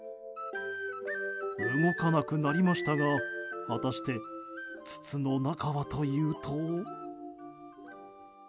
動かなくなりましたが果たして、筒の中はというと。